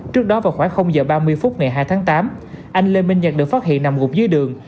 trước đó vào khoảng h ba mươi phút ngày hai tháng tám anh lê minh nhật được phát hiện nằm gục dưới đường